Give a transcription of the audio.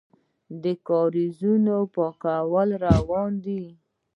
د کاریزونو پاکول روان دي؟